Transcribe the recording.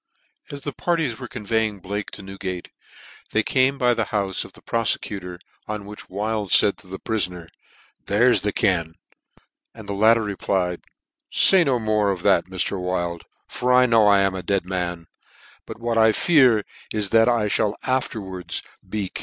As the parties were conveying Blake to New gate, they came by the houie of the profecutor, on which Wild laid to the prifoner, *' There's " the ken," and the latter replied, " Say no " more of that Mr. Wild, for 1 know I am a " dead man j but what I fear is that I (hall after " wards 390 NEW NEWGATE CALENDAR.